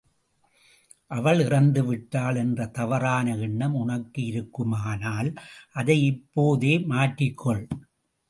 அவள் இறந்துவிட்டாள் என்ற தவறான எண்ணம் உனக்கு இருக்குமானால் அதை இப்போதே மாற்றிக்கொள்.